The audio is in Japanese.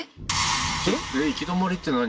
行き止まりって何？